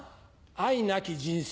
愛なき人生。